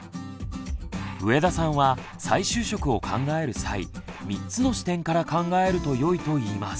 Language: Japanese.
上田さんは再就職を考える際３つの視点から考えるとよいと言います。